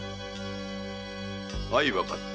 あいわかった。